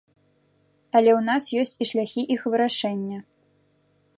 Але ў нас ёсць і шляхі іх вырашэння.